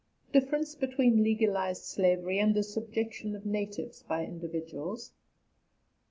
DIFFERENCE BETWEEN LEGALIZED SLAVERY AND THE SUBJECTION OF NATIVES BY INDIVIDUALS.